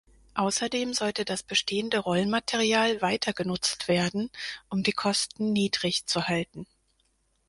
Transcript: Ausserdem sollte das bestehende Rollmaterial weiter genutzt werden, um die Kosten niedrig zu halten.